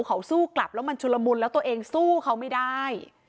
เขาสู้กลับแล้วมันชุลมุนแล้วตัวเองสู้เขาไม่ได้